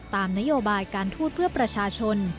ตามนโยบายการทูตเพื่อประชาชน